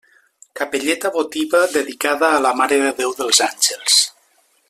Capelleta votiva dedicada a la Mare de Déu dels Àngels.